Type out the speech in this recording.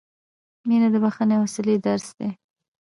• مینه د بښنې او حوصلې درس دی.